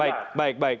baik baik baik